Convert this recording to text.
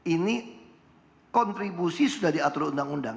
ini kontribusi sudah diatur undang undang